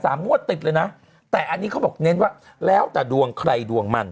งวดติดเลยนะแต่อันนี้เขาบอกเน้นว่าแล้วแต่ดวงใครดวงมัน